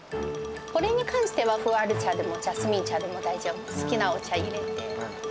これに関しては、プーアル茶でもジャスミン茶でも大丈夫、好きなお茶入れて。